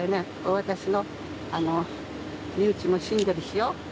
私の身内も死んだでしょ。